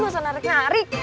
gak usah narik narik